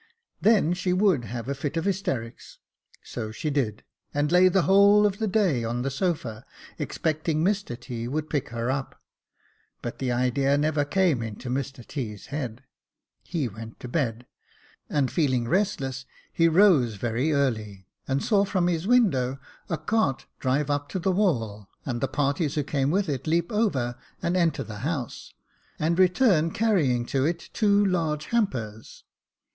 Then she would have a fit of hysterics. So she did, and lay the whole of the day on the sofa, expecting Mr T. would pick her up. But the idea never came into Mr T.'s head. He went to bed ; and feeling restless, he rose very early, and saw from his window a cart drive up Jacob Faithful 279 to the wall, and the parties who came with it leap over and enter the house, and return carrying to it two large ham pers.